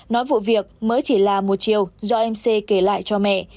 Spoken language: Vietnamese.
nói vụ việc mới chỉ là một chiều do em c kể lại cho mẹ